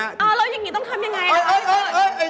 ไอ้หนูหัวผู้ใหญ่ด้วย